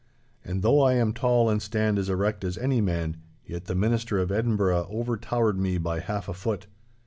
And though I am tall and stand as erect as any man, yet the Minister of Edinburgh overtowered me by half a foot.